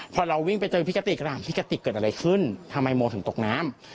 พอเราวิ่งไปเจอพี่กติกก็ถามพี่กะติกเกิดอะไรขึ้นทำไมโมถึงตกน้ำ